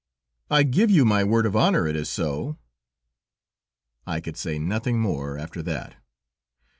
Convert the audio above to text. "I give you my word of honor it is so." I could say nothing more after that.